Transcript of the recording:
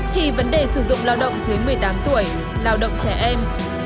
thì vấn đề sử dụng lao động dưới một mươi tám tuổi lao động trẻ em